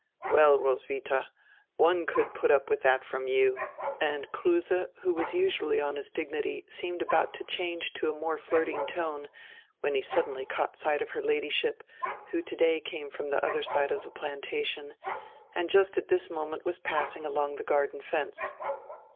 "Well, Roswitha, one could put up with that from you," and Kruse, who was usually on his dignity, seemed about to change to a more flirting tone, when he suddenly caught sight of her Ladyship, who today came from the other side of the "Plantation" and just at this moment was passing along the garden fence.